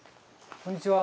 こんにちは。